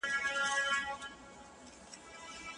صدقه ورکول بخل له منځه وړي.